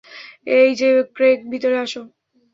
এইযে, ক্রেগ, ভিতরে এসো।